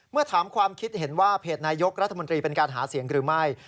ถามความคิดเห็นว่าเพจนายกรัฐมนตรีเป็นการหาเสียงหรือไม่